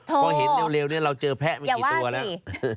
เพราะเห็นเร็วเราเจอแพะไม่กี่ตัวแล้วโทษอย่าว่าสิ